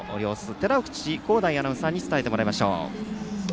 寺内皓大アナウンサーに伝えてもらいましょう。